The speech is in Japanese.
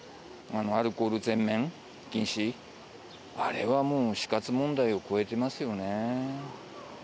アルコール全面禁止、あれはもう死活問題を超えてますよね。